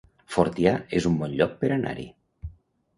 Fortià es un bon lloc per anar-hi